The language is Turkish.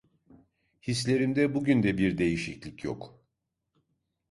Hislerimde bugün de bir değişiklik yok.